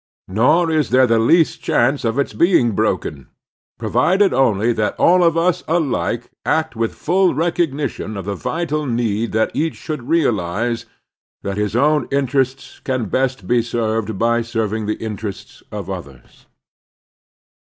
Nor is there the least chance of its being broken, provided only that all of us alike act with full recognition of the vital need that each should realize that his own interests can best be served by serving the interests of others.